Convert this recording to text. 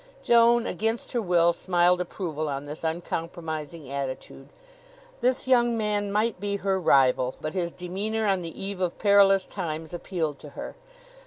Joan, against her will, smiled approval on this uncompromising attitude. This young man might be her rival, but his demeanor on the eve of perilous times appealed to her.